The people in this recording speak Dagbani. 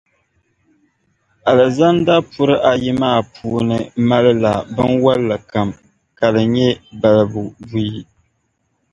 Alizanda puri ayi maa puuni malila binwalli kam, ka di nyɛ balibu buyi.